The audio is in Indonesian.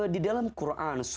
di dalam quran